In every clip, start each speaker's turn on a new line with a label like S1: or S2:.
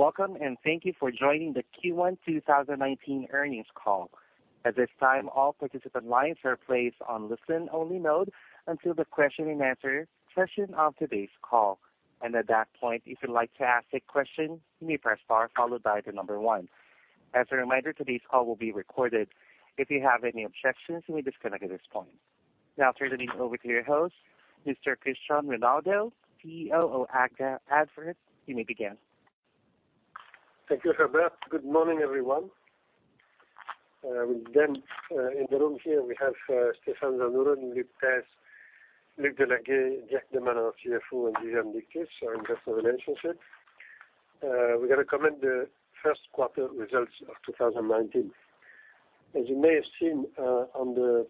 S1: Welcome, thank you for joining the Q1 2019 earnings call. At this time, all participant lines are placed on listen-only mode until the question-and-answer session of today's call. At that point, if you'd like to ask a question, you may press star followed by the number one. As a reminder, today's call will be recorded. If you have any objections, you may disconnect at this point. Now turning it over to your host, Mr. Christian Reinaudo, CEO of Agfa-Gevaert. You may begin.
S2: Thank you, Herbert. Good morning, everyone. With them in the room here, we have Stéphane Zanduron, Luc Peys, Luc Delagaye, Dirk De Man, CFO, and Viviane Dictus, our investor relationship. We're going to comment the first quarter results of 2019. As you may have seen on the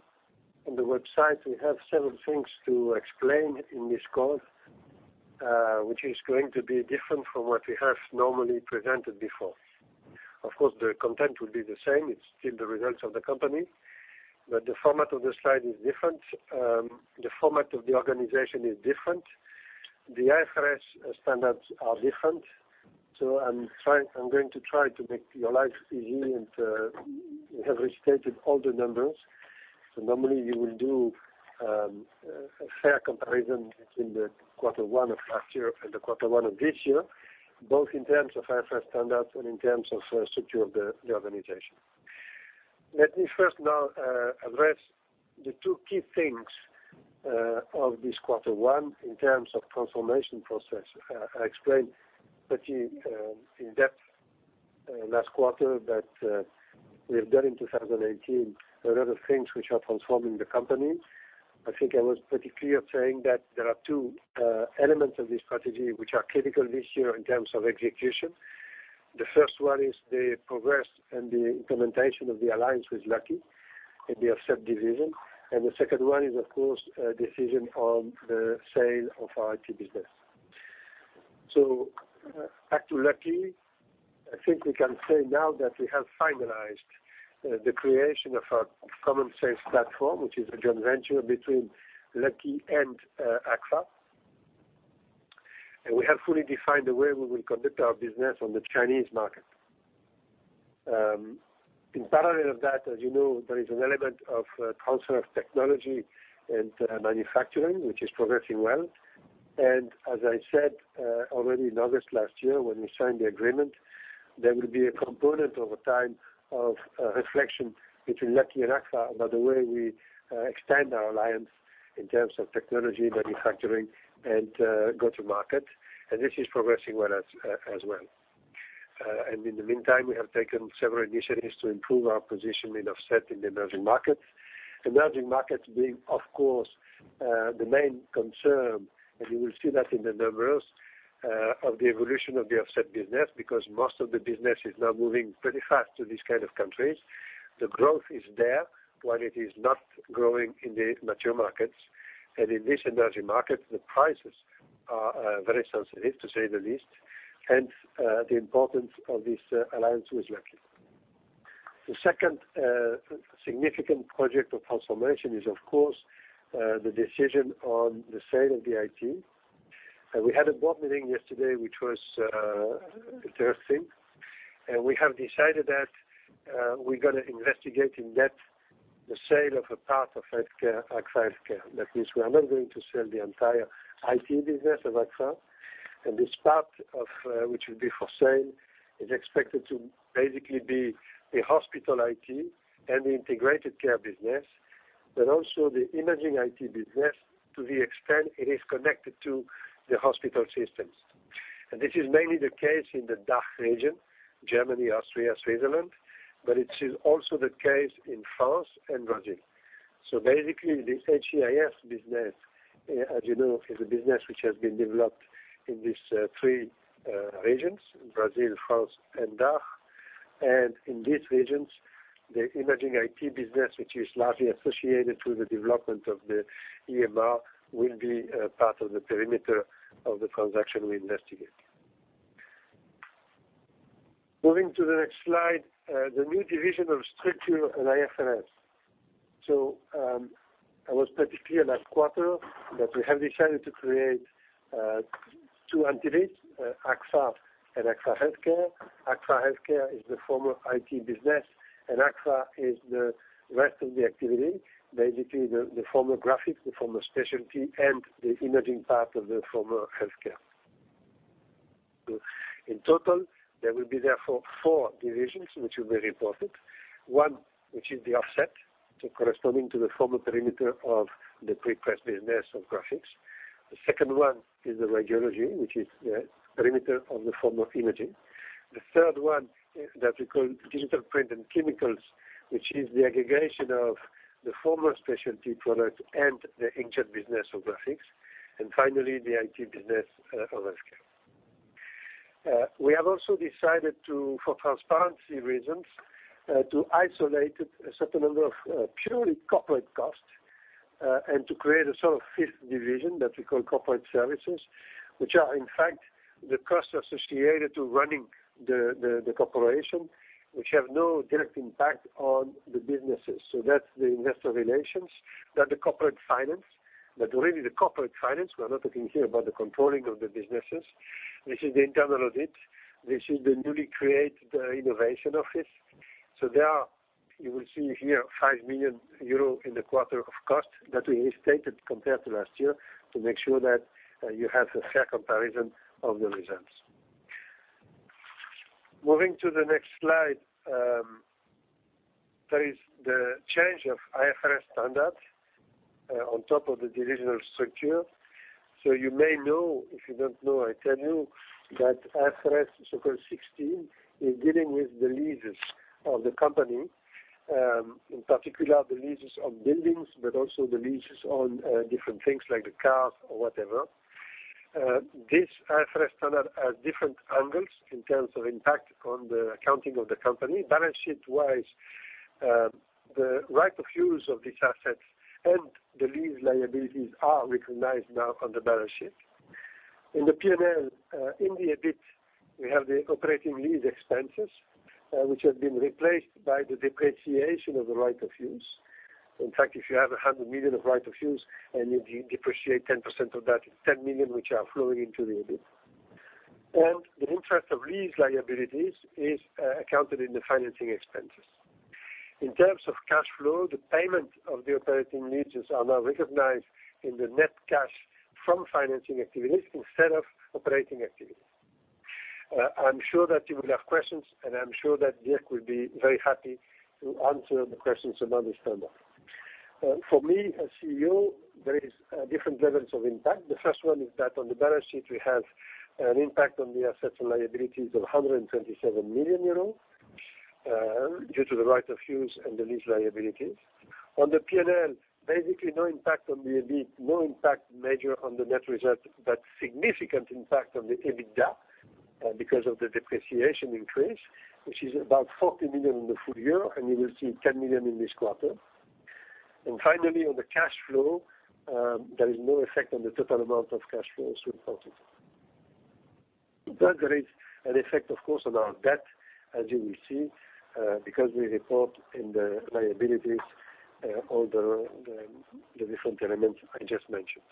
S2: website, we have several things to explain in this call, which is going to be different from what we have normally presented before. Of course, the content will be the same. It's still the results of the company, but the format of the slide is different. The format of the organization is different. The IFRS standards are different. I'm going to try to make your life easy, we have restated all the numbers. Normally you will do a fair comparison between the quarter one of last year and the quarter one of this year, both in terms of IFRS standards and in terms of structure of the organization. Let me first now address the two key things of this quarter one in terms of transformation process. I explained pretty in-depth last quarter that we have done in 2018 a lot of things which are transforming the company. I think I was pretty clear saying that there are two elements of this strategy which are critical this year in terms of execution. The first one is the progress and the implementation of the alliance with Lucky in the offset division. The second one is, of course, a decision on the sale of our IT business. Back to Lucky. I think we can say now that we have finalized the creation of a common sales platform, which is a joint venture between Lucky and Agfa. We have fully defined the way we will conduct our business on the Chinese market. In parallel of that, as you know, there is an element of transfer of technology and manufacturing, which is progressing well. As I said already in August last year when we signed the agreement, there will be a component over time of reflection between Lucky and Agfa about the way we extend our alliance in terms of technology, manufacturing, and go-to-market. This is progressing well as well. In the meantime, we have taken several initiatives to improve our position in offset in the emerging markets. Emerging markets being, of course, the main concern, and you will see that in the numbers, of the evolution of the offset business, because most of the business is now moving pretty fast to these kind of countries. The growth is there while it is not growing in the mature markets. In this emerging market, the prices are very sensitive, to say the least, hence the importance of this alliance with Lucky. The second significant project of transformation is, of course, the decision on the sale of the IT. We had a board meeting yesterday, which was interesting, and we have decided that we are going to investigate in depth the sale of a part of Agfa HealthCare. That means we are not going to sell the entire IT business of Agfa. This part which will be for sale is expected to basically be the hospital IT and the integrated care business, but also the imaging IT business to the extent it is connected to the hospital systems. This is mainly the case in the DACH region, Germany, Austria, Switzerland, but it is also the case in France and Brazil. Basically, this HCIS business, as you know, is a business which has been developed in these three regions, Brazil, France, and DACH. In these regions, the imaging IT business, which is largely associated with the development of the EMR, will be part of the perimeter of the transaction we investigate. Moving to the next slide, the new divisional structure and IFRS. I was pretty clear last quarter that we have decided to create two entities, Agfa and Agfa HealthCare. Agfa HealthCare is the former IT business, and Agfa is the rest of the activity, basically the former Graphics, the former Specialty, and the imaging part of the former HealthCare. In total, there will be therefore four divisions, which will be reported. One, which is the offset, so corresponding to the former perimeter of the prepress business of Graphics. The second one is the Radiology, which is the perimeter of the former Imaging. The third one that we call Digital Print & Chemicals, which is the aggregation of the former Specialty product and the inkjet business of Graphics. Finally, the IT business of HealthCare. We have also decided, for transparency reasons, to isolate a certain number of purely corporate costs and to create a sort of fifth division that we call Corporate Services, which are, in fact, the costs associated to running the corporation, which have no direct impact on the businesses. That is the investor relations, that the corporate finance. Really the corporate finance, we are not talking here about the controlling of the businesses. This is the internal audit. This is the newly created innovation office. There are, you will see here, 5 million euro in the quarter of cost that we restated compared to last year to make sure that you have a fair comparison of the results. Moving to the next slide. There is the change of IFRS standards on top of the divisional structure. You may know, if you don't know, I tell you, that IFRS 16 is dealing with the leases of the company, in particular the leases of buildings, but also the leases on different things like the cars or whatever. This IFRS standard has different angles in terms of impact on the accounting of the company. Balance sheet-wise, the right of use of these assets and the lease liabilities are recognized now on the balance sheet. In the P&L, in the EBIT, we have the operating lease expenses, which have been replaced by the depreciation of the right of use. In fact, if you have 100 million of right of use and you depreciate 10% of that, it is 10 million which are flowing into the EBIT. The interest of lease liabilities is accounted for in the financing expenses. In terms of cash flow, the payment of the operating leases are now recognized in the net cash from financing activities instead of operating activities. I am sure that you will have questions, and I am sure that Dirk will be very happy to answer the questions about this topic. For me, as CEO, there are different levels of impact. The first one is that on the balance sheet, we have an impact on the assets and liabilities of 127 million euros, due to the right of use and the lease liabilities. On the P&L, basically no impact on the EBIT, no major impact on the net result, but significant impact on the EBITDA, because of the depreciation increase, which is about 40 million in the full year, and you will see 10 million in this quarter. Finally, on the cash flow, there is no effect on the total amount of cash flow as reported. There is an effect, of course, on our debt, as you will see, because we report in the liabilities all the different elements I just mentioned.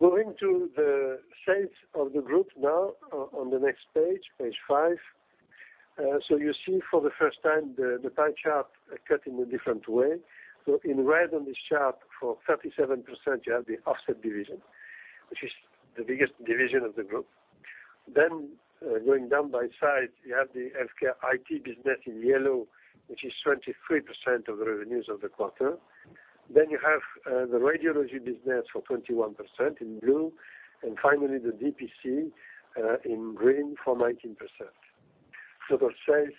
S2: Moving to the sales of the group now on the next page five. You see for the first time the pie chart cut in a different way. In red on this chart for 37%, you have the offset division, which is the biggest division of the group. Then going down by size, you have the healthcare IT business in yellow, which is 23% of the revenues of the quarter. Then you have the radiology business for 21% in blue, and finally the DPC in green for 19%. Total sales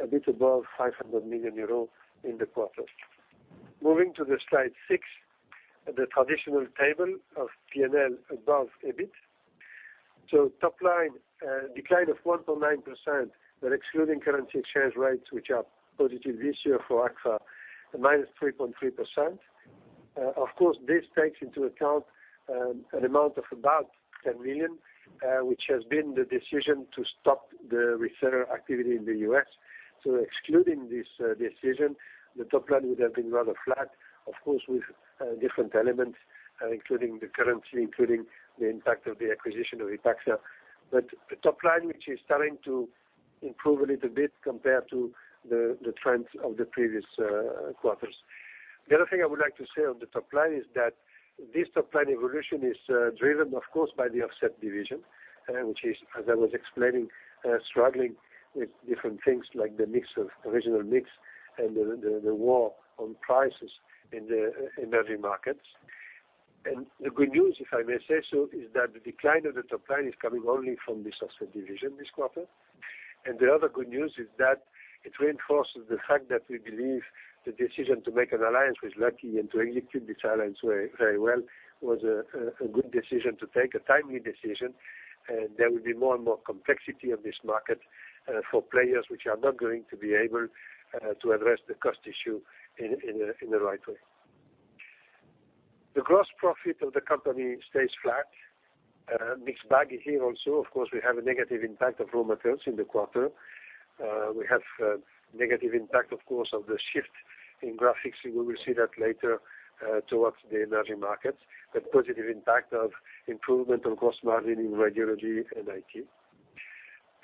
S2: a bit above 500 million euro in the quarter. Moving to slide six, the traditional table of P&L above EBIT. Top line, decline of 1.9%, but excluding currency exchange rates, which are positive this year for Agfa, a minus 3.3%. Of course, this takes into account an amount of about 10 million, which has been the decision to stop the reseller activity in the U.S. Excluding this decision, the top line would have been rather flat, of course, with different elements, including the currency, including the impact of the acquisition of Ipagsa. The top line, which is starting to improve a little bit compared to the trends of the previous quarters. The other thing I would like to say on the top line is that this top-line evolution is driven, of course, by the offset division, which is, as I was explaining, struggling with different things like the original mix and the war on prices in the emerging markets. The good news, if I may say so, is that the decline of the top line is coming only from this offset division this quarter. The other good news is that it reinforces the fact that we believe the decision to make an alliance with Lucky and to execute this alliance very well was a good decision to take, a timely decision. There will be more and more complexity in this market for players which are not going to be able to address the cost issue in the right way. The gross profit of the company stays flat. Mixed bag here also. Of course, we have a negative impact of raw materials in the quarter. We have a negative impact, of course, of the shift in graphics, we will see that later, towards the emerging markets, but positive impact of improvement on gross margin in radiology and IT.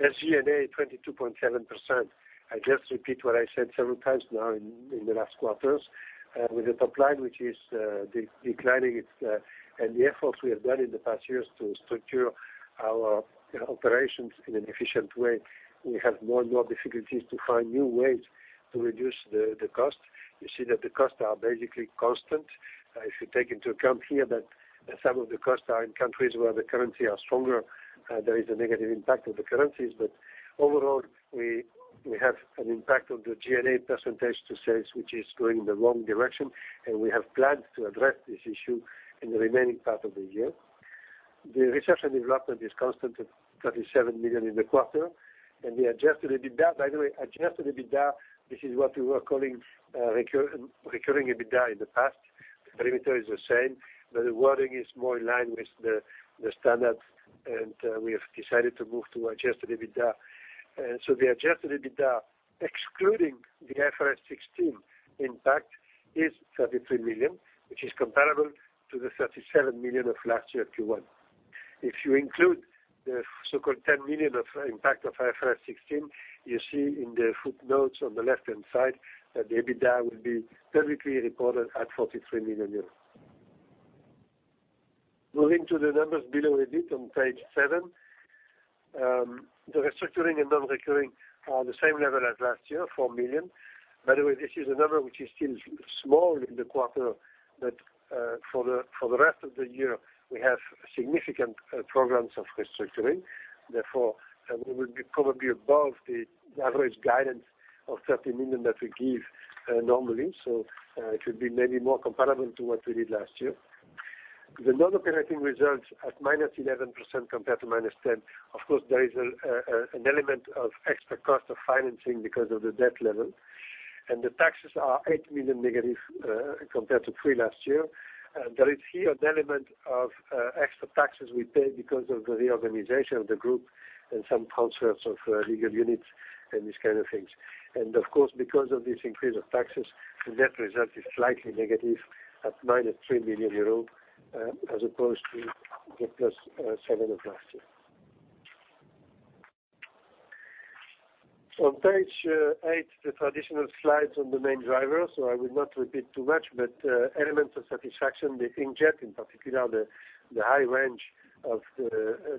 S2: SG&A 22.7%. I just repeat what I said several times now in the last quarters. With the top line, which is declining, and the efforts we have done in the past years to structure our operations in an efficient way, we have more and more difficulties to find new ways to reduce the cost. You see that the costs are basically constant. If you take into account here that some of the costs are in countries where the currency are stronger, there is a negative impact of the currencies. Overall, we have an impact of the G&A percentage to sales, which is going in the wrong direction, and we have plans to address this issue in the remaining part of the year. The research and development is constant at 37 million in the quarter. The adjusted EBITDA, by the way, adjusted EBITDA, this is what we were calling recurring EBITDA in the past. The perimeter is the same, but the wording is more in line with the standards, and we have decided to move to adjusted EBITDA. The adjusted EBITDA, excluding the IFRS 16 impact, is 33 million, which is comparable to the 37 million of last year Q1. If you include the so-called 10 million of impact of IFRS 16, you see in the footnotes on the left-hand side that the EBITDA will be perfectly recorded at 43 million euros. Moving to the numbers below a bit on page seven. The restructuring and non-recurring are the same level as last year, 4 million. By the way, this is a number which is still small in the quarter, but for the rest of the year, we have significant programs of restructuring, therefore, we will be probably above the average guidance of 13 million that we give normally. So it should be maybe more comparable to what we did last year. The non-operating results at -11% compared to -10%. Of course, there is an element of extra cost of financing because of the debt level, and the taxes are 8 million negative, compared to 3 million last year. There is here an element of extra taxes we pay because of the reorganization of the group and some transfers of legal units and these kinds of things. Of course, because of this increase of taxes, the net result is slightly negative at -3 million euro, as opposed to the +7 million of last year. On page eight, the traditional slides on the main drivers, I will not repeat too much, but elements of satisfaction, the Inkjet, in particular, the high range of the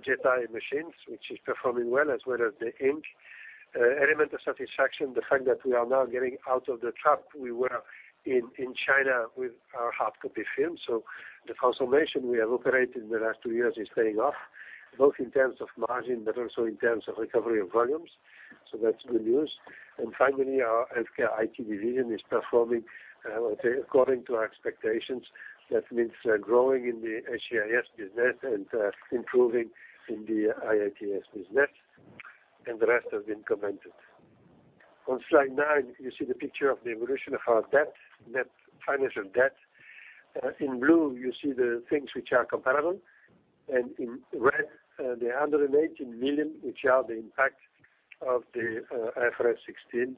S2: Jeti machines, which is performing well, as well as the ink. Element of satisfaction, the fact that we are now getting out of the trap we were in China with our hard copy film. The transformation we have operated in the last two years is paying off, both in terms of margin, but also in terms of recovery of volumes. That's good news. Finally, our Healthcare IT division is performing according to our expectations. That means growing in the HCIS business and improving in the Imaging IT business. The rest have been commented. On slide nine, you see the picture of the evolution of our debt, net financial debt. In blue, you see the things which are comparable, and in red, the 118 million, which are the impact of the IFRS 16.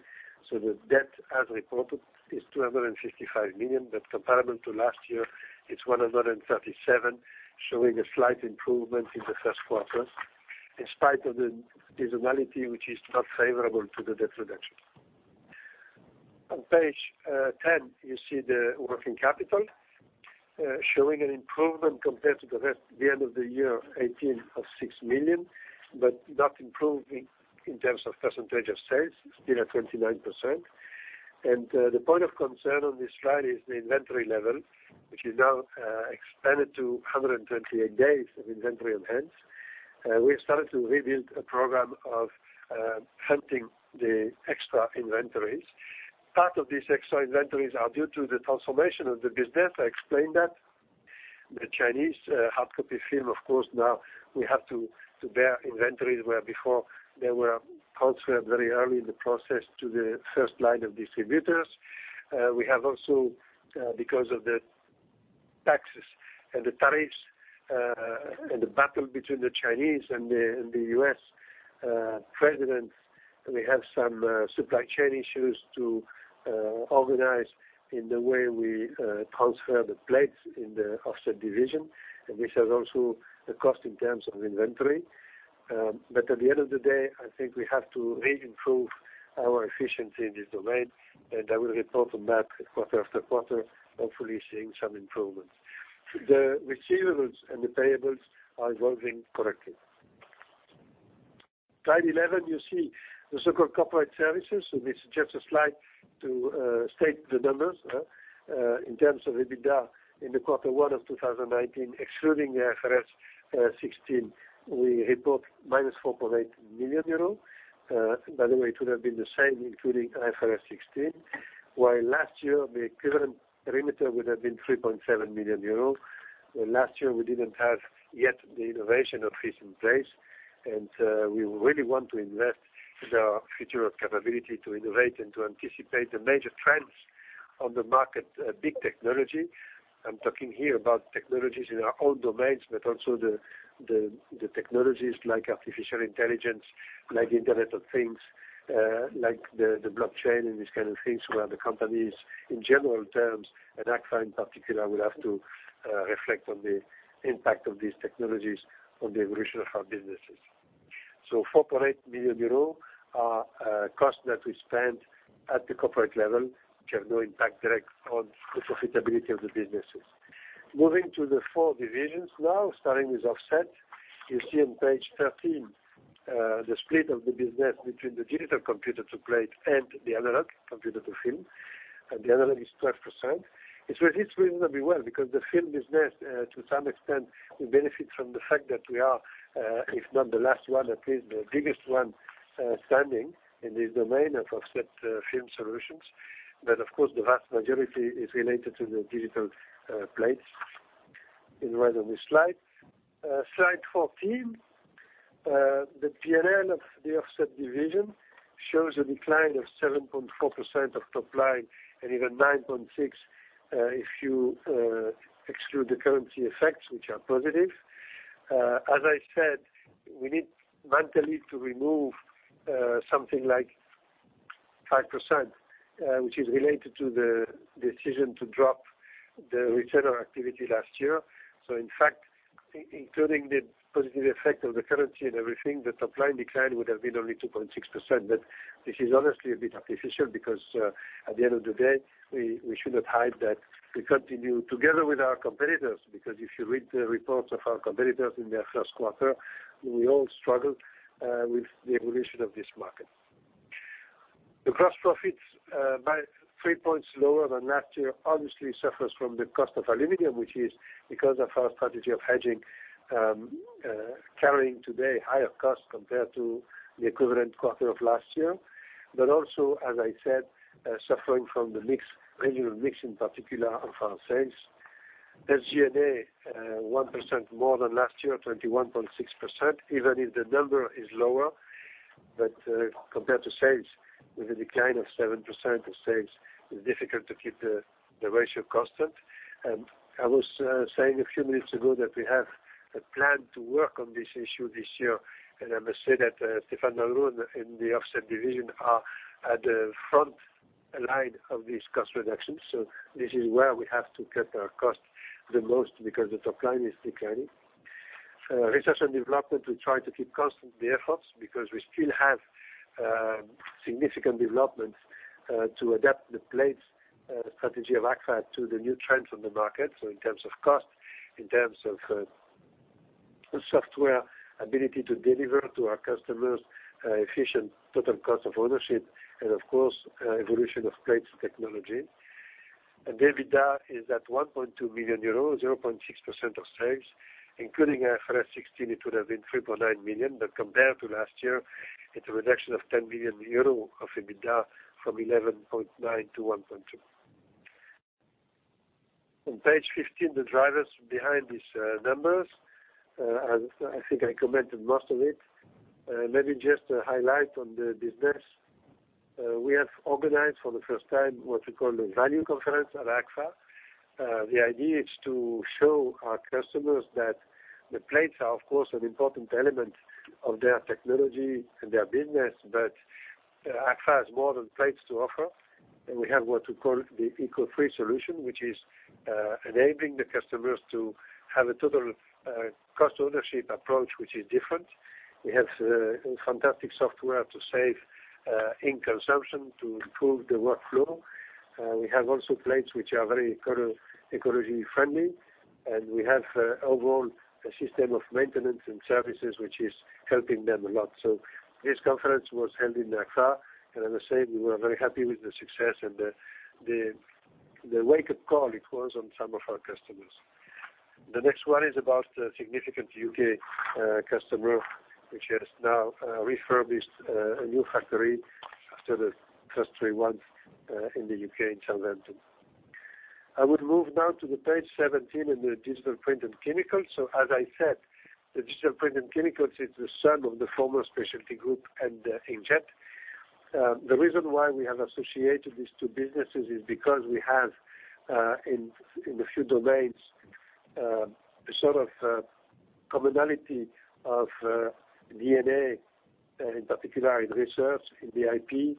S2: The debt as reported is 255 million, but comparable to last year, it's 137 million, showing a slight improvement in the first quarter, in spite of the seasonality, which is not favorable to the debt reduction. On page 10, you see the working capital showing an improvement compared to the end of the year 2018 of 6 million, but not improving in terms of percentage of sales, still at 29%. The point of concern on this slide is the inventory level, which is now expanded to 128 days of inventory on hand. We have started to rebuild a program of hunting the extra inventories. Part of these extra inventories are due to the transformation of the business. I explained that. The Chinese hard copy film, of course, now we have to bear inventories, where before they were transferred very early in the process to the first line of distributors. We have also, because of the taxes and the tariffs, and the battle between the Chinese and the U.S. presidents, we have some supply chain issues to organize in the way we transfer the plates in the offset division, and this has also a cost in terms of inventory. At the end of the day, I think we have to re-improve our efficiency in this domain, I will report on that quarter after quarter, hopefully seeing some improvements. The receivables and the payables are evolving correctly. Slide 11, you see the so-called Corporate Services, this is just a slide to state the numbers. In terms of EBITDA in the quarter one of 2019, excluding the IFRS 16, we report -4.8 million euros. By the way, it would have been the same including IFRS 16. While last year, the equivalent perimeter would have been 3.7 million euros. Last year, we didn't have yet the innovation office in place, and we really want to invest in our future of capability to innovate and to anticipate the major trends on the market, big technology. I'm talking here about technologies in our own domains, but also the technologies like artificial intelligence, like Internet of Things, like the blockchain, and these kinds of things, where the companies, in general terms, and Agfa in particular, will have to reflect on the impact of these technologies on the evolution of our businesses. 4.8 million euros are costs that we spend at the corporate level, which have no impact direct on the profitability of the businesses. Moving to the four divisions now, starting with offset. You see on page 13, the split of the business between the digital computer-to-plate and the analog computer-to-film. The analog is 12%. It resists reasonably well because the film business, to some extent, will benefit from the fact that we are, if not the last one, at least the biggest one standing in this domain of offset film solutions. Of course, the vast majority is related to the digital plates. In red on this slide. Slide 14, the P&L of the offset division. Shows a decline of 7.4% of top line, and even 9.6% if you exclude the currency effects, which are positive. As I said, we need mentally to remove something like 5%, which is related to the decision to drop the return on activity last year. In fact, including the positive effect of the currency and everything, the top-line decline would have been only 2.6%. This is honestly a bit artificial because, at the end of the day, we should not hide that we continue together with our competitors, because if you read the reports of our competitors in their first quarter, we all struggled with the evolution of this market. The gross profits by three points lower than last year honestly suffers from the cost of aluminum, which is because of our strategy of hedging, carrying today higher costs compared to the equivalent quarter of last year. Also, as I said, suffering from the regional mix in particular on foreign sales. SG&A 1% more than last year, 21.6%, even if the number is lower. Compared to sales, with a decline of 7% of sales, it's difficult to keep the ratio constant. I was saying a few minutes ago that we have a plan to work on this issue this year, and I must say that Stéphane Lalonde in the offset division are at the front line of these cost reductions. This is where we have to cut our costs the most because the top line is declining. Research and development, we try to keep constant the efforts because we still have significant developments to adapt the plates strategy of Agfa to the new trends on the market. In terms of cost, in terms of software ability to deliver to our customers, efficient total cost of ownership, of course, evolution of plates technology. The EBITDA is at 1.2 million euros, 0.6% of sales. Including IFRS 16, it would have been 3.9 million. Compared to last year, it's a reduction of 10 million euros of EBITDA from 11.9 to 1.2. On page 15, the drivers behind these numbers, I think I commented most of it. Maybe just a highlight on the business. We have organized for the first time what we call the Value Conference at Agfa. The idea is to show our customers that the plates are, of course, an important element of their technology and their business, but Agfa has more than plates to offer. We have what we call the ECO3 solution, which is enabling the customers to have a total cost ownership approach, which is different. We have a fantastic software to save ink consumption to improve the workflow. We have also plates which are very ecology-friendly, and we have overall a system of maintenance and services, which is helping them a lot. This conference was held in Agfa, and as I said, we were very happy with the success and the wake-up call it was on some of our customers. The next one is about a significant U.K. customer, which has now refurbished a new factory after the first three ones in the U.K. in Chelmsford. I would move now to page 17 in the Digital Print & Chemicals. As I said, the Digital Print & Chemicals is the son of the former specialty group and the Inkjet. The reason why we have associated these two businesses is because we have, in a few domains, a sort of commonality of DNA, in particular in research, in the IP.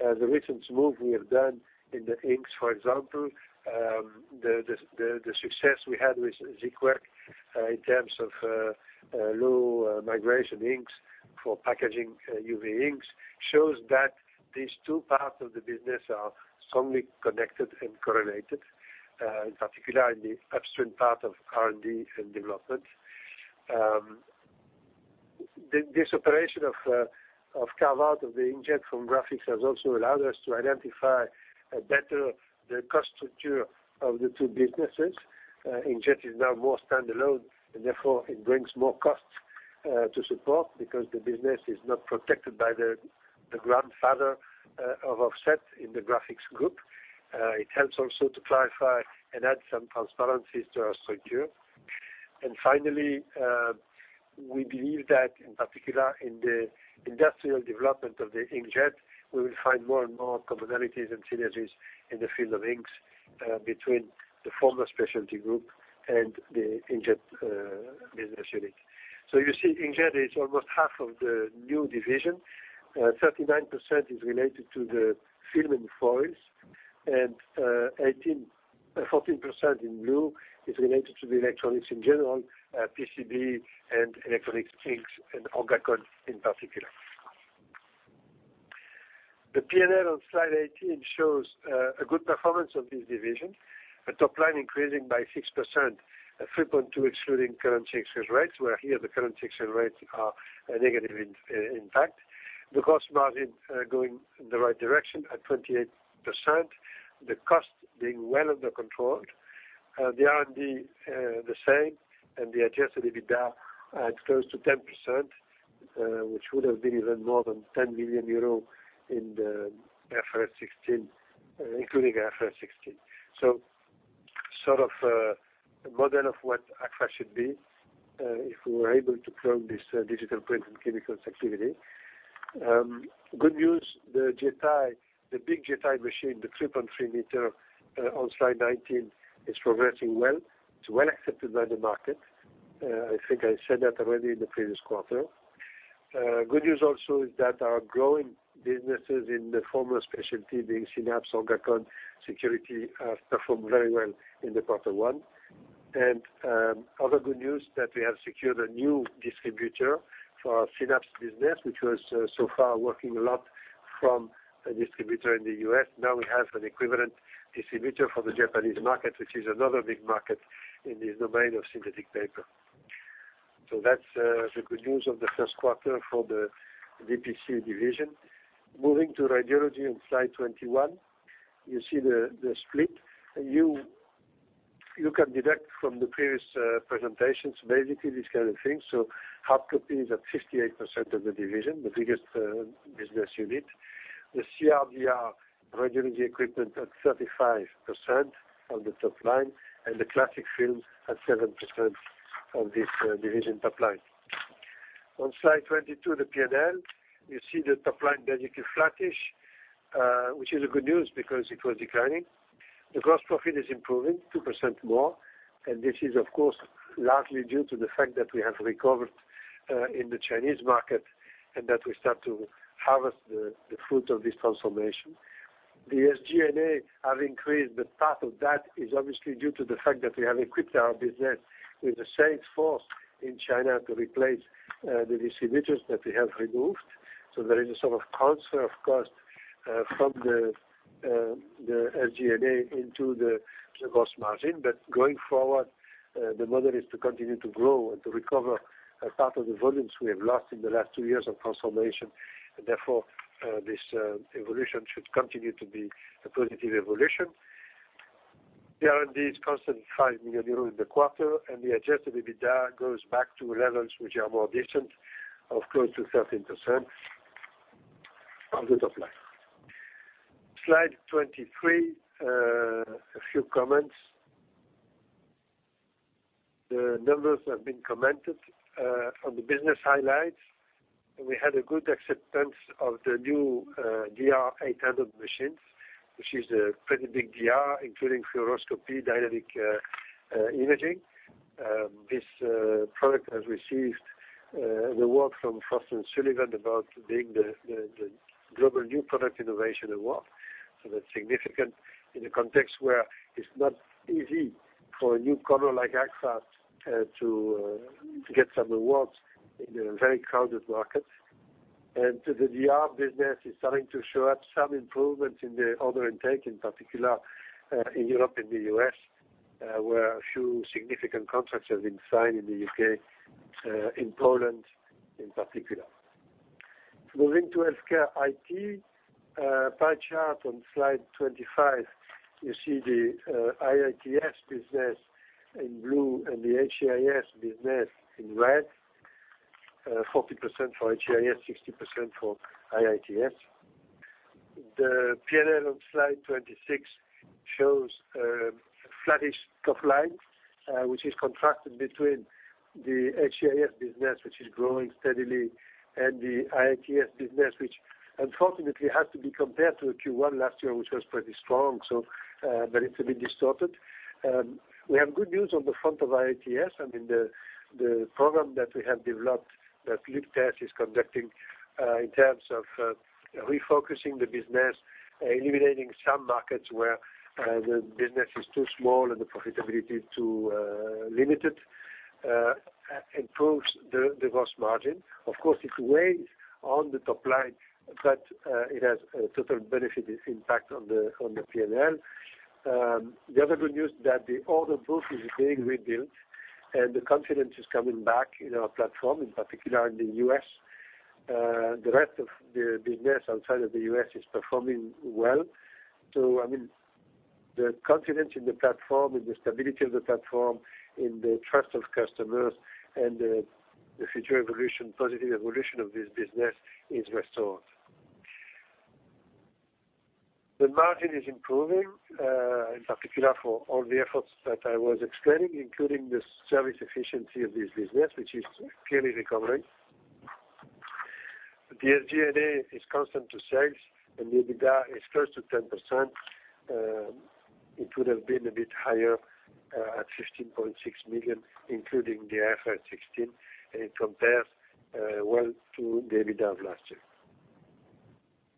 S2: The recent move we have done in the inks, for example, the success we had with Agorix in terms of low migration inks for packaging UV inks shows that these two parts of the business are strongly connected and correlated, in particular in the upstream part of R&D and development. This operation of carve out of the Inkjet from Graphics has also allowed us to identify better the cost structure of the two businesses. Inkjet is now more standalone, and therefore it brings more costs to support because the business is not protected by the grandfather of offset in the Graphics group. It helps also to clarify and add some transparencies to our structure. Finally, we believe that in particular in the industrial development of the Inkjet, we will find more and more commonalities and synergies in the field of inks between the former specialty group and the Inkjet business unit. You see, Inkjet is almost half of the new division. 39% is related to the film and foils, and 14% in blue is related to the electronics in general, P.C.B. and electronics inks, and Orgacon in particular. The P&L on slide 18 shows a good performance of this division. A top line increasing by 6%, 3.2% excluding currency exchange rates, where here the currency exchange rates are a negative impact. The cost margin going in the right direction at 28%. The cost being well under control. The R&D the same, and the adjusted EBITDA at close to 10%, which would have been even more than 10 million euro including IFRS 16. Sort of a model of what Agfa should be if we were able to clone this Digital Print & Chemicals activity. Good news, the big Jeti machine, the 3.3-meter on slide 19, is progressing well. It's well accepted by the market. I think I said that already in the previous quarter. Good news also is that our growing businesses in the former specialty being SYNAPS on security, have performed very well in quarter 1. Other good news that we have secured a new distributor for our SYNAPS business, which was so far working a lot from a distributor in the U.S. Now we have an equivalent distributor for the Japanese market, which is another big market in this domain of synthetic paper. That's the good news of the first quarter for the DPC division. Moving to radiology on slide 21. You see the split. You can deduct from the previous presentations, basically this kind of thing. Hard copy is at 58% of the division, the biggest business unit. The CR DR radiology equipment at 35% of the top line, and the classic film at 7% of this division top line. On slide 22, the P&L, you see the top line basically flattish, which is a good news because it was declining. The gross profit is improving 2% more. This is, of course, largely due to the fact that we have recovered in the Chinese market and that we start to harvest the fruit of this transformation. The SG&A have increased, part of that is obviously due to the fact that we have equipped our business with a sales force in China to replace the distributors that we have removed. There is a sort of transfer, of course, from the SG&A into the gross margin. Going forward, the model is to continue to grow and to recover a part of the volumes we have lost in the last two years of transformation. Therefore, this evolution should continue to be a positive evolution. The R&D is constant 5 million euros in the quarter, and the adjusted EBITDA goes back to levels which are more decent of close to 13% of the top line. Slide 23, a few comments. The numbers have been commented. On the business highlights, we had a good acceptance of the new DR 800 machines, which is a pretty big DR, including fluoroscopy, dynamic imaging. This product has received an award from Frost & Sullivan about being the Global New Product Innovation Award. That's significant in a context where it's not easy for a new comer like Agfa to get some awards in a very crowded market. The DR business is starting to show up some improvements in the order intake, in particular, in Europe and the U.S., where a few significant contracts have been signed in the U.K., in Poland, in particular. Moving to Healthcare IT. Pie chart on slide 25, you see the IITS business in blue and the HCIS business in red, 40% for HCIS, 60% for IITS. The P&L on slide 26 shows a flattish top line, which is contracted between the HCIS business, which is growing steadily, and the IITS business, which unfortunately has to be compared to Q1 last year, which was pretty strong. It's a bit distorted. We have good news on the front of IITS. I mean, the program that we have developed that Luc Thijs is conducting, in terms of refocusing the business, eliminating some markets where the business is too small and the profitability too limited, improves the gross margin. Of course, it weighs on the top line, but it has a total benefit impact on the P&L. The other good news that the order book is being rebuilt, and the confidence is coming back in our platform, in particular in the U.S. The rest of the business outside of the U.S. is performing well. The confidence in the platform, in the stability of the platform, in the trust of customers and the future evolution, positive evolution of this business is restored. The margin is improving, in particular for all the efforts that I was explaining, including the service efficiency of this business, which is clearly recovering. The SG&A is constant to sales, and the EBITDA is close to 10%. It would have been a bit higher at 15.6 million, including the IFRS 16. It compares well to the EBITDA of last year.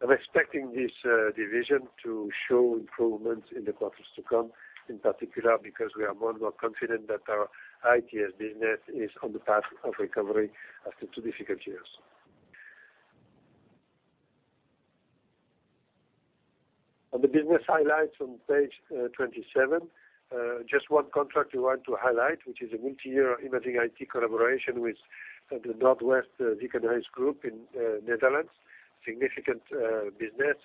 S2: I'm expecting this division to show improvements in the quarters to come, in particular, because we are more and more confident that our IITS business is on the path of recovery after two difficult years. On the business highlights on page 27, just one contract we want to highlight, which is a multi-year Imaging IT collaboration with the Noordwest Ziekenhuisgroep in Netherlands. Significant business.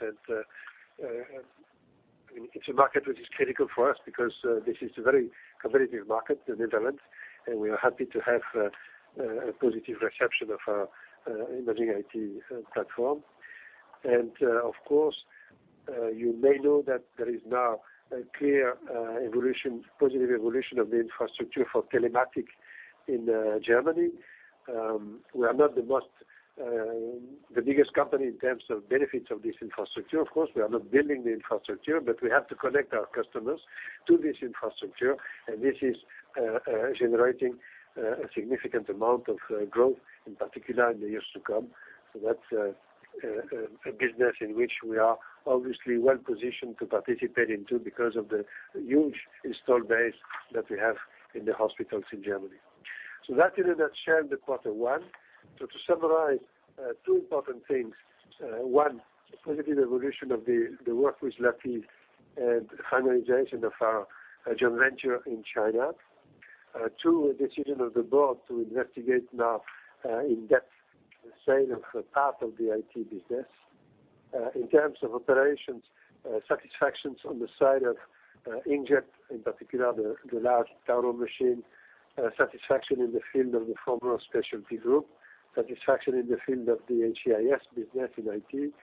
S2: It's a market which is critical for us because this is a very competitive market in Netherlands, and we are happy to have a positive reception of our Enterprise Imaging platform. Of course, you may know that there is now a clear positive evolution of the infrastructure for telematics in Germany. We are not the biggest company in terms of benefits of this infrastructure. Of course, we are not building the infrastructure, but we have to connect our customers to this infrastructure, and this is generating a significant amount of growth, in particular in the years to come. That's a business in which we are obviously well-positioned to participate in too, because of the huge install base that we have in the hospitals in Germany. That in a nutshell, the quarter one. To summarize, two important things. 1, positive evolution of the work with Lucky and finalization of our joint venture in China. 2, decision of the board to investigate now in depth the sale of a part of the IT business. In terms of operations, satisfactions on the side of Jeti, in particular the large Jeti machine. Satisfaction in the field of the former specialty group. Satisfaction in the field of the HCIS business in IT.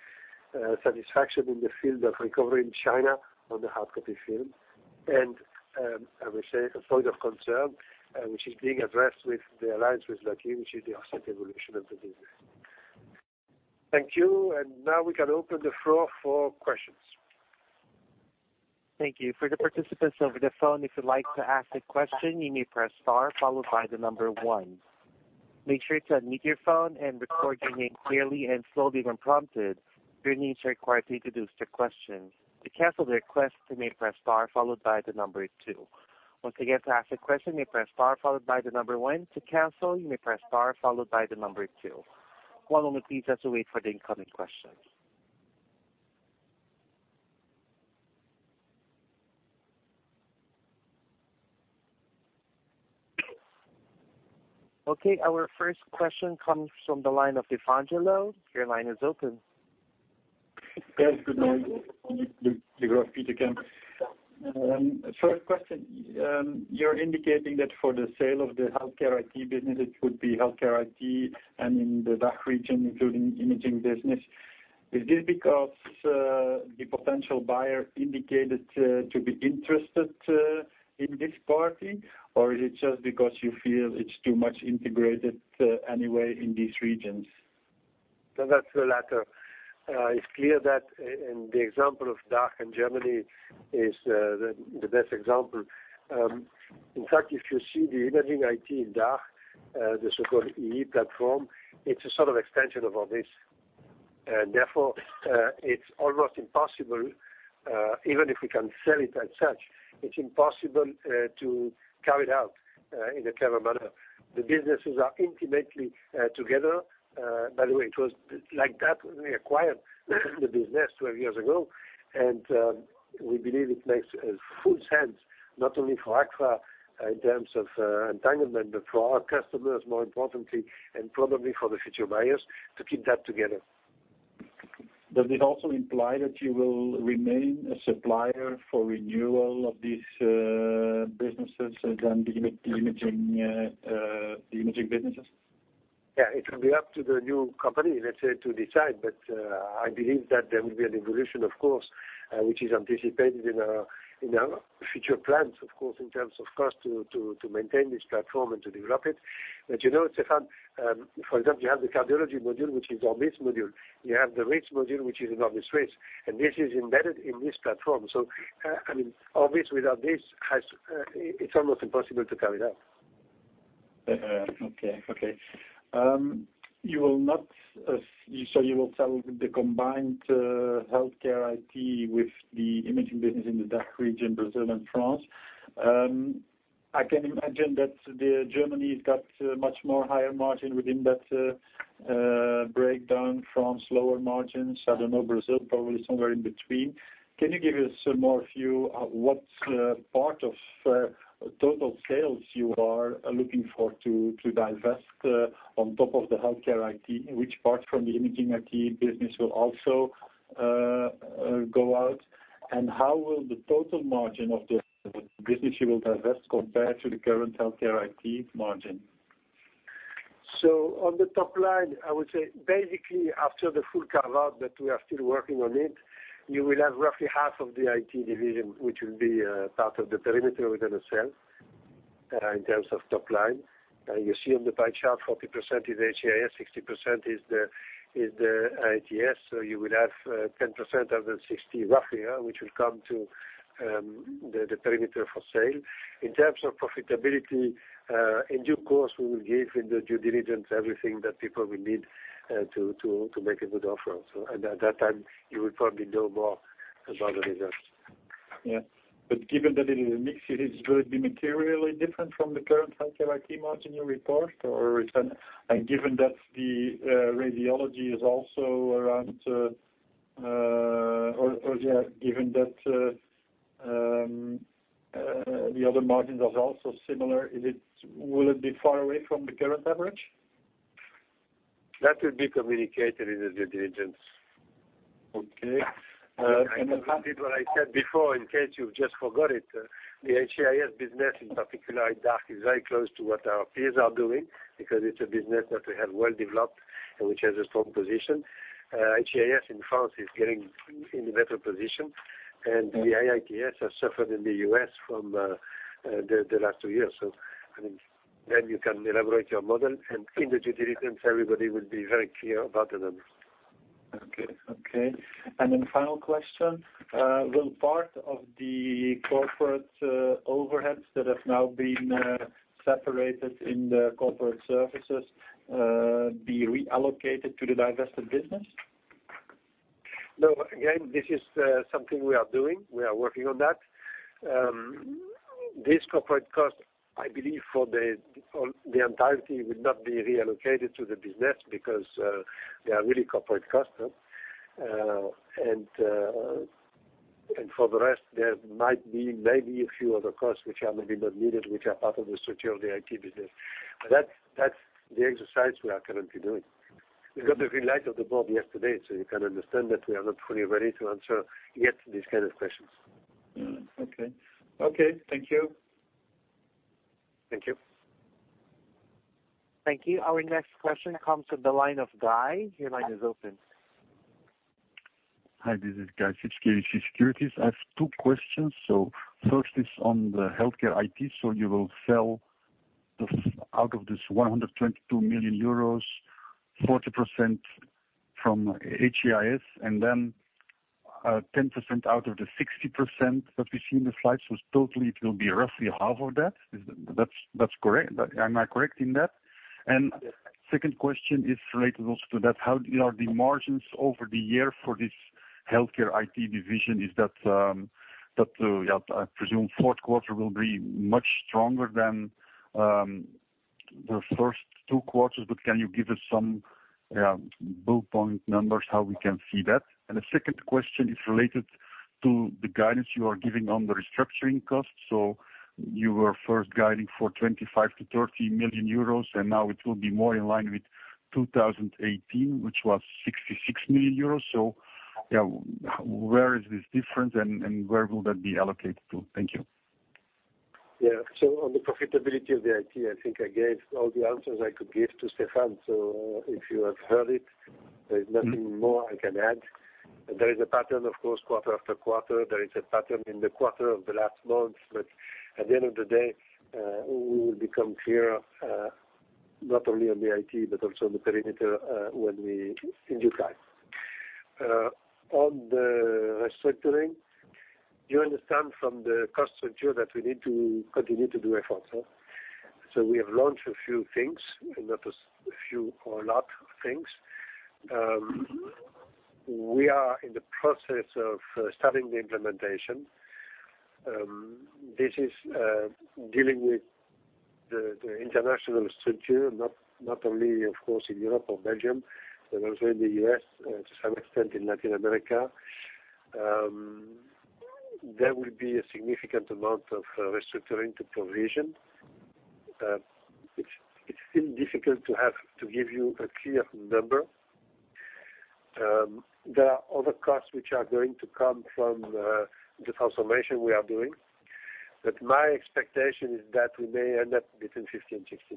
S2: Satisfaction in the field of recovery in China on the hardcopy field. I would say a point of concern, which is being addressed with the alliance with Lucky, which is the offset evolution of the business. Thank you. Now we can open the floor for questions.
S1: Thank you. For the participants over the phone, if you'd like to ask a question, you may press star followed by the number 1. Make sure to unmute your phone and record your name clearly and slowly when prompted. Your name is required to introduce the question. To cancel the request, you may press star followed by the number 2. Once again, to ask a question, you may press star followed by the number 1. To cancel, you may press star followed by the number 2. One moment please, as we wait for the incoming questions. Okay, our first question comes from the line of Evangelo. Your line is open.
S3: Yes, good morning. This is Evangelo Petercam. First question. You're indicating that for the sale of the healthcare IT business, it would be healthcare IT and in the DACH region, including imaging business. Is this because the potential buyer indicated to be interested in this party, or is it just because you feel it's too much integrated anyway in these regions?
S2: That's the latter. It's clear that in the example of DACH in Germany is the best example. In fact, if you see the Imaging IT in DACH, the so-called Enterprise Imaging platform, it's a sort of extension of ORBIS. Therefore, it's almost impossible even if we can sell it as such, it's impossible to carve it out in a clever manner. The businesses are intimately together. By the way, it was like that when we acquired the business 12 years ago, and we believe it makes full sense, not only for Agfa in terms of entanglement, but for our customers, more importantly, and probably for the future buyers to keep that together.
S3: Does it also imply that you will remain a supplier for renewal of these businesses than the imaging businesses?
S2: Yeah, it will be up to the new company, let's say, to decide, I believe that there will be an evolution of course, which is anticipated in our future plans, of course, in terms of cost to maintain this platform and to develop it. You know, Stéphane, for example, you have the cardiology module, which is ORBIS module. You have the RIS module, which is in ORBIS RIS, and this is embedded in this platform. ORBIS without this, it's almost impossible to carve it out.
S3: You will sell the combined HealthCare IT with the Imaging IT business in the DACH region, Brazil, and France. I can imagine that Germany's got much more higher margin within that breakdown from slower margins. I don't know, Brazil, probably somewhere in between. Can you give us a more view what part of total sales you are looking for to divest on top of the HealthCare IT? Which part from the Imaging IT business will also go out, and how will the total margin of the business you will divest compare to the current HealthCare IT margin?
S2: On the top line, I would say basically after the full carve-out that we are still working on it, you will have roughly half of the IT division, which will be part of the perimeter within the sale in terms of top line. You see on the pie chart, 40% is HCIS, 60% is the ITS. You will have 10% of the 60 roughly, which will come to the perimeter for sale. In terms of profitability, in due course, we will give in the due diligence everything that people will need to make a good offer. At that time, you will probably know more about the results.
S3: Given that it is a mix, will it be materially different from the current HealthCare IT margin you report? Given that the other margin is also similar, will it be far away from the current average?
S2: That will be communicated in the due diligence.
S3: Okay.
S2: I repeated what I said before, in case you just forgot it. The HCIS business, in particular in DACH, is very close to what our peers are doing because it's a business that we have well developed and which has a strong position. HCIS in France is getting in a better position, and the Imaging IT has suffered in the U.S. from the last two years. I think then you can elaborate your model, and in the due diligence, everybody will be very clear about the numbers.
S3: Okay. Then final question. Will part of the corporate overheads that have now been separated in the Corporate Services be reallocated to the divested business?
S2: No. Again, this is something we are doing. We are working on that. These corporate costs, I believe, for the entirety, would not be reallocated to the business because they are really corporate costs. For the rest, there might be maybe a few other costs which are maybe not needed, which are part of the structure of the Imaging IT business. That's the exercise we are currently doing. We got the green light of the board yesterday, you can understand that we are not fully ready to answer yet these kinds of questions.
S3: Okay. Thank you.
S2: Thank you.
S1: Thank you. Our next question comes from the line of Guy. Your line is open.
S4: Hi, this is Guy Sips, KBC Securities. I have two questions. First is on the healthcare IT. You will sell out of this 122 million euros, 40% from HCIS and 10% out of the 60% that we see in the slides. Totally, it will be roughly half of that. Am I correct in that? Second question is related also to that. How are the margins over the year for this healthcare IT division? I presume fourth quarter will be much stronger than the first two quarters, but can you give us some bullet point numbers, how we can see that? The second question is related to the guidance you are giving on the restructuring costs. You were first guiding for 25 million-30 million euros, and now it will be more in line with 2018, which was 66 million euros. Where is this difference and where will that be allocated to? Thank you.
S2: On the profitability of the IT, I think I gave all the answers I could give to Stephan. If you have heard it, there is nothing more I can add. There is a pattern, of course, quarter after quarter. There is a pattern in the quarter of the last month. At the end of the day, we will become clearer not only on the IT but also on the perimeter in due time. On the restructuring, you understand from the cost structure that we need to continue to do efforts. We have launched a few things, not a few or a lot of things. We are in the process of starting the implementation. This is dealing with the international structure, not only, of course, in Europe or Belgium, but also in the U.S., to some extent in Latin America. There will be a significant amount of restructuring to provision. It is still difficult to give you a clear number. There are other costs which are going to come from the transformation we are doing. My expectation is that we may end up between 50 million and EUR 60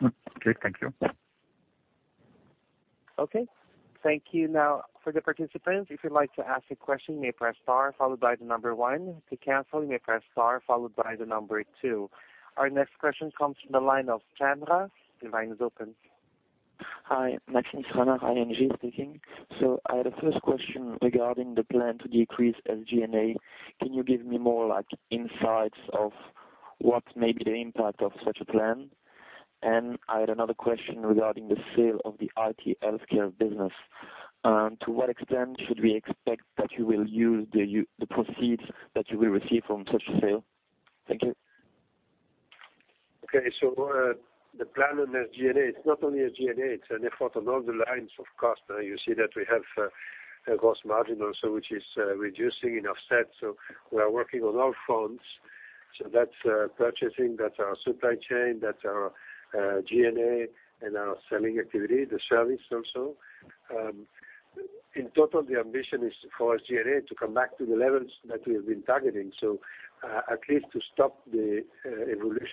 S2: million.
S4: Okay. Thank you.
S1: Okay. Thank you. For the participants, if you would like to ask a question, you may press star followed by the number 1. To cancel, you may press star followed by the number 2. Our next question comes from the line of Stranart. Your line is open.
S5: Hi, Maxime Stranart, ING speaking. I had a first question regarding the plan to decrease SG&A. Can you give me more insights of what may be the impact of such a plan? I had another question regarding the sale of the IT healthcare business. To what extent should we expect that you will use the proceeds that you will receive from such a sale? Thank you.
S2: Okay. The plan on SG&A, it's not only SG&A, it's an effort on all the lines of cost. You see that we have a gross margin also, which is reducing in offset. We are working on all fronts. That's purchasing, that's our supply chain, that's our G&A and our selling activity, the service also. In total, the ambition is for SG&A to come back to the levels that we have been targeting. At least to stop the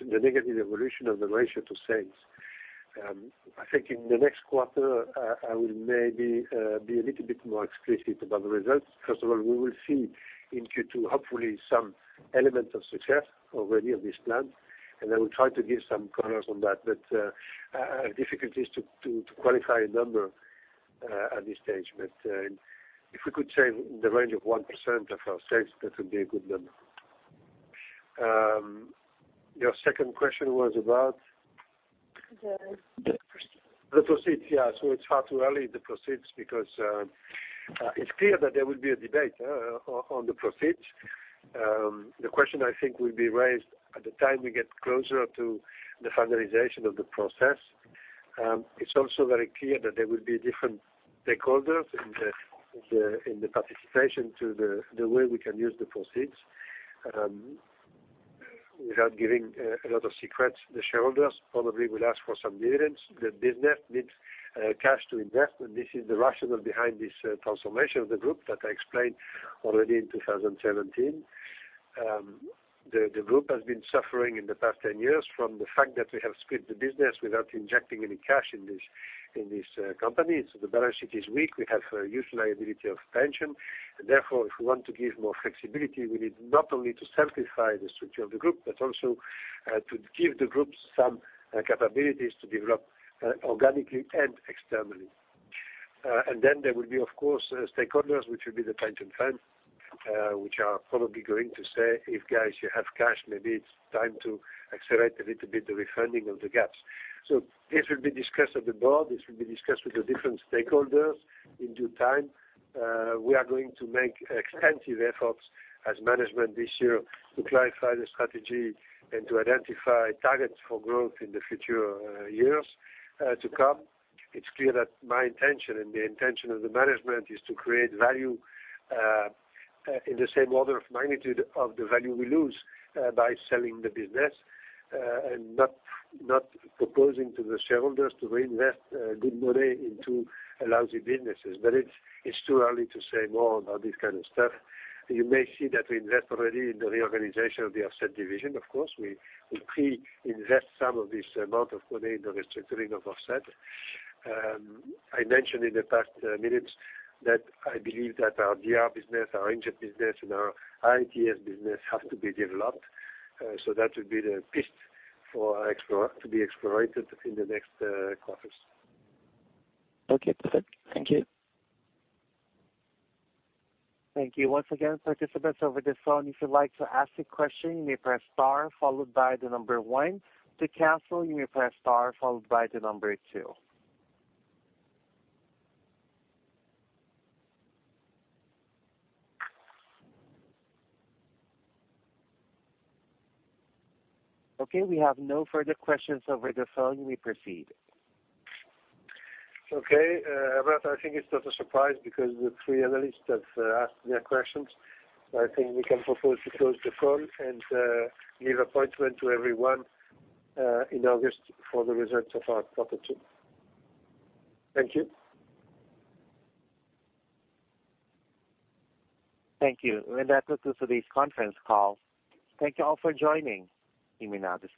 S2: negative evolution of the ratio to sales. I think in the next quarter, I will maybe be a little bit more explicit about the results. First of all, we will see in Q2, hopefully, some elements of success already on this plan, and I will try to give some colors on that. I have difficulties to qualify a number at this stage. If we could say the range of 1% of our sales, that would be a good number. Your second question was about?
S5: The proceeds.
S2: The proceeds, yeah. It's far too early, the proceeds, because it's clear that there will be a debate on the proceeds. The question, I think, will be raised at the time we get closer to the finalization of the process. It's also very clear that there will be different stakeholders in the participation to the way we can use the proceeds. Without giving a lot of secrets, the shareholders probably will ask for some dividends. The business needs cash to invest, and this is the rationale behind this transformation of the group that I explained already in 2017. The group has been suffering in the past 10 years from the fact that we have split the business without injecting any cash in these companies. The balance sheet is weak. We have a huge liability of pension. If we want to give more flexibility, we need not only to simplify the structure of the group, but also to give the group some capabilities to develop organically and externally. There will be, of course, stakeholders, which will be the pension funds, which are probably going to say, "If, guys, you have cash, maybe it's time to accelerate a little bit the refunding of the gaps." This will be discussed at the board. This will be discussed with the different stakeholders in due time. We are going to make extensive efforts as management this year to clarify the strategy and to identify targets for growth in the future years to come. It's clear that my intention, and the intention of the management, is to create value in the same order of magnitude of the value we lose by selling the business and not proposing to the shareholders to reinvest good money into lousy businesses. It's too early to say more about this kind of stuff. You may see that we invest already in the reorganization of the offset division, of course. We pre-invest some of this amount of money in the restructuring of offset. I mentioned in the past minutes that I believe that our DR business, our engine business, and our ITS business have to be developed. That would be the piste to be explored in the next quarters.
S5: Okay, perfect. Thank you.
S1: Thank you once again, participants over the phone. If you'd like to ask a question, you may press star followed by the number one. To cancel, you may press star followed by the number two. We have no further questions over the phone. We proceed.
S2: I think it's not a surprise because the three analysts have asked their questions. I think we can propose to close the call and give appointment to everyone in August for the results of our quarter two. Thank you.
S1: Thank you. That concludes today's conference call. Thank you all for joining. You may now disconnect.